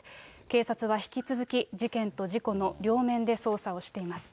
警察は引き続き、事件と事故の両面で捜査をしています。